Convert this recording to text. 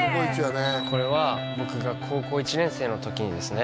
これは僕が高校１年生の時にですね